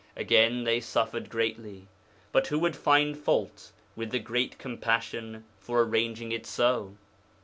Again they suffered greatly. But who would find fault with the Great Compassion for arranging it so?